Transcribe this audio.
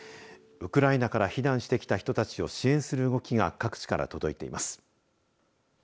ウクライナから避難してきた人たちを支援する動きが各地から届いています。